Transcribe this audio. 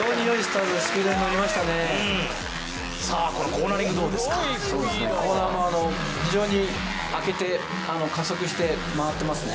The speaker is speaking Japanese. コーナーもあの非常に開けて加速して回ってますね